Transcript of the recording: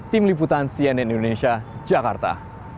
tim liputan cnn indonesia jakarta